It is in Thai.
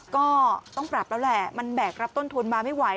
ก็ต้องปรับแล้วแหละมันแบกรับต้นทุนมาไม่ไหว